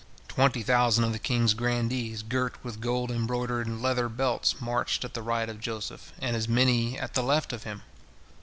Twenty thousand of the king's grandees girt with gold embroidered leather belts marched at the right of Joseph, and as many at the left of him.